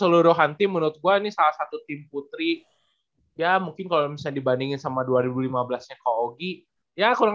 gue harap sih ya